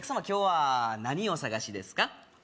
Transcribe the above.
今日は何をお探しですか？